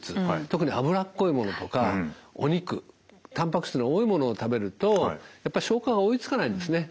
特に脂っこいものとかお肉たんぱく質の多いものを食べるとやっぱ消化が追いつかないんですね。